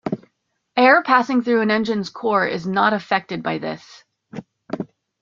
Air passing through an engine's core is not affected by this.